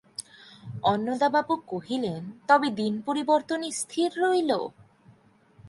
অন্নদাবাবু কহিলেন, তবে দিনপরিবর্তনই স্থির রহিল?